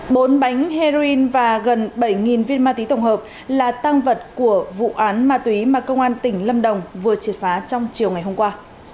bốn bánh heroin và gần bảy viên ma túy tổng hợp là tăng vật của vụ án ma túy mà công an tỉnh lâm đồng vừa triệt phá trong chiều ngày hôm qua